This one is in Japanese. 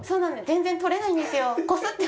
全然取れないんですよ。